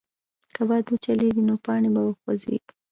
که باد وچلېږي، نو پاڼې به وخوځېږي.